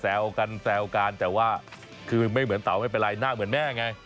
กันแซวกันแต่ว่าคือไม่เหมือนเต๋าไม่เป็นไรหน้าเหมือนแม่ไง